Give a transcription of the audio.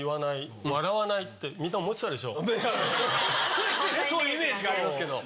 ついついねそういうイメージがありますけど。